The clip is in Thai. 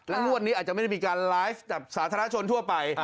งวดนี้อาจจะไม่ได้มีการไลฟ์จากสาธารณชนทั่วไป